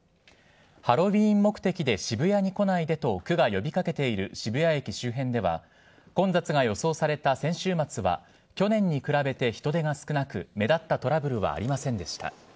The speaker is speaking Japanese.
ハロウィーン目的で渋谷に来ないでと区が呼びかけている渋谷駅周辺では、混雑が予想された先週末は、去年に比べて人出が少なく、目立ったトラブルはありませんでした。